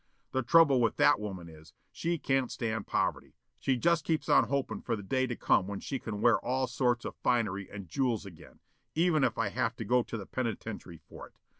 The trouble with that woman is, she can't stand poverty. She just keeps on hopin' for the day to come when she can wear all sorts of finery and jewels again, even if I do have to go to the penitentiary for it.